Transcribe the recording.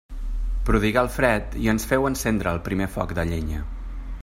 Prodigà el fred i ens féu encendre el primer foc de llenya.